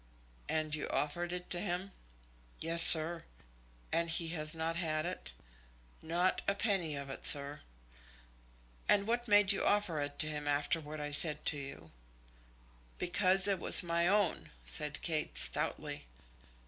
"And you offered it to him?" "Yes, sir." "And he has not had it?" "Not a penny of it, sir." "And what made you offer it to him after what I said to you?" "Because it was my own," said Kate, stoutly.